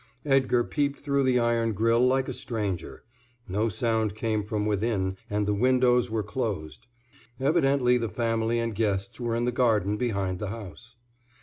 Edgar peeped through the iron grill like a stranger. No sound came from within and the windows were closed. Evidently the family and guests were in the garden behind the house.